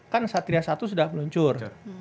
kan satria satu sudah meluncur